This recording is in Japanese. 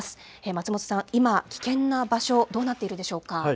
松本さん、今、危険な場所、どうなっているでしょうか。